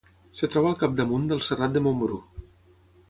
Es troba al capdamunt del Serrat de Montbrú.